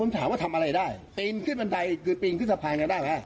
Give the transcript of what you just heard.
ผมถามว่าทำอะไรได้ปีนขึ้นบันไดคือปีนขึ้นสะพานกันได้ไหม